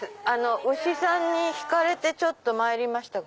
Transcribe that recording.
牛さんに引かれてちょっとまいりましたが。